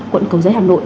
quận cầu giấy hà nội